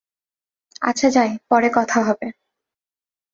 আচ্ছা যাই, পরে কথা হবে।